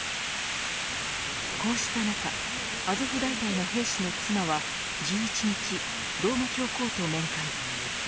こうした中アゾフ大隊の兵士の妻は１１日、ローマ教皇と面会。